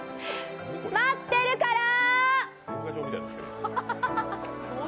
待ってるから。